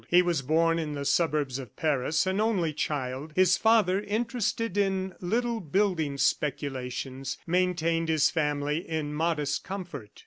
He was born in the suburbs of Paris, an only child; his father, interested in little building speculations, maintained his family in modest comfort.